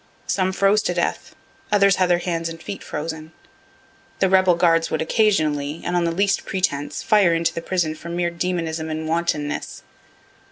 Some froze to death, others had their hands and feet frozen. The rebel guards would occasionally, and on the least pretence, fire into the prison from mere demonism and wantonness.